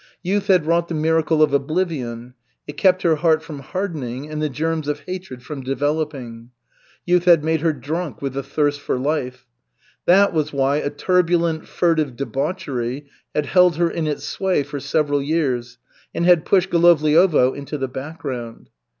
Youth had wrought the miracle of oblivion, it kept her heart from hardening and the germs of hatred from developing. Youth had made her drunk with the thirst for life. That was why a turbulent, furtive debauchery had held her in its sway for several years, and had pushed Golovliovo into the background.